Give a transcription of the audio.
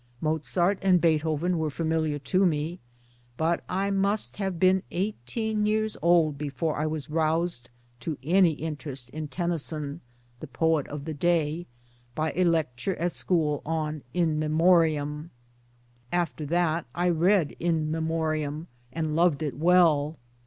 Mozart and Beethoven were familiar to me, but I must have been eighteen years old before I was roused to any interest in Tennyson (the poet of the day) by a lecture at school on " In Memoriam." After that I read " In Memoriam " and loved it well.